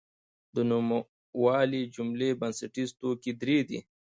د نوموالي جملې بنسټیز توکي درې دي.